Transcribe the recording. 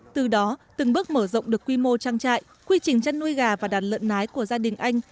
từ đó từng bước mở rộng được quy mô trang trại quy trình chăn nuôi gà và đàn lợn nái của gia đình anh